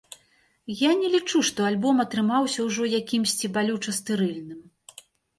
Я не лічу, што альбом атрымаўся ўжо якімсьці балюча стэрыльным.